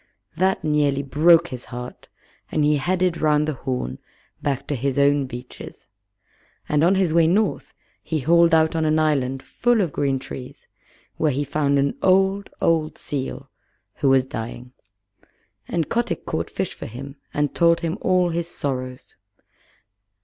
That nearly broke his heart, and he headed round the Horn back to his own beaches; and on his way north he hauled out on an island full of green trees, where he found an old, old seal who was dying, and Kotick caught fish for him and told him all his sorrows.